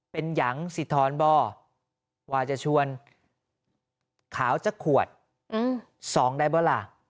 เป็นยังสิทรบอกว่าจะชวนขาวจากขวด๒ได้ป่ะล่ะ